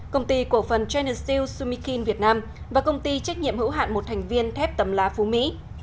công ty cổ phần traner sumikin việt nam và công ty trách nhiệm hữu hạn một thành viên thép tấm lá phú mỹ